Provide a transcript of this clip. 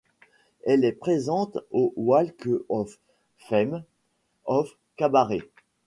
Elle est présente au Walk of Fame of Cabaret.